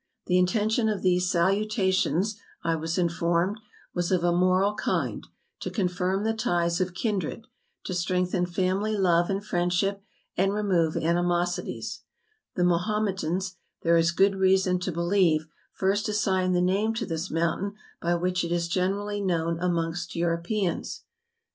The intention of these salutations, I was informed, was of a moral kind, to confirm the ties of kindred, to strengthen family love and friendship, and remove animosities. The Ma¬ hometans, there is good reason to believe, first as¬ signed the name to this mountain by which it is Adam's peak, ceylon. 243 generally known amongst Europeans.